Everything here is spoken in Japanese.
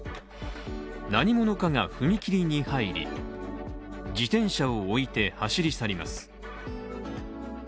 何者かが踏切に入り自転車を置いて走り去ります。